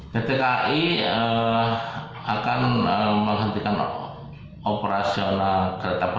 pt kai akan menghentikan operasional kereta penumpang